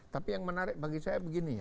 tapi yang menarik bagi saya begini